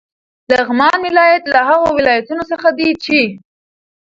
لغمان ولایت له هغو ولایتونو څخه دی چې: